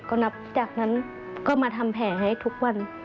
ก็นับจากนั้นก็มาทำแผลให้ทุกวัน